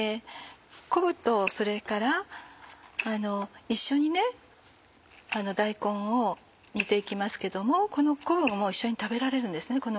昆布とそれから一緒に大根を煮て行きますけどもこの昆布も一緒に食べられるんですね